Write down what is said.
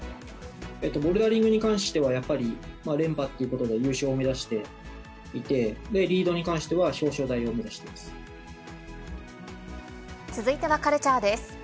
ボルダリングに関しては、やっぱり連覇ということで優勝を目指していて、リードに関しては続いてはカルチャーです。